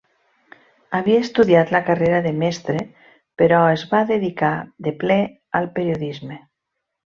Havia estudiat la carrera de mestre, però es va dedicar de ple al periodisme.